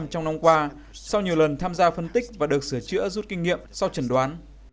trong năm qua sau nhiều lần tham gia phân tích và được sửa chữa rút kinh nghiệm sau chẩn đoán